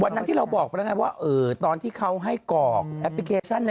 วันนั้นที่เราบอกไปแล้วไงว่าตอนที่เขาให้กรอกแอปพลิเคชัน